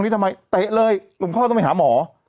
เตะเลยลุกข้าวต้องได้หาหมอ